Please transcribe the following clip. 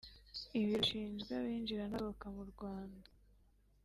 Ibiro bishinzwe abinjira n’abasohoka mu Rwanda